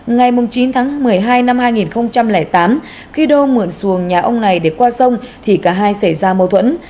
ngày chín tháng một mươi hai năm hai nghìn tám khi đô mượn xuồng nhà ông này để qua sông thì cả hai xảy ra mâu thuẫn